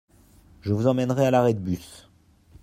Je vous emmènerai à l’arrêt de bus.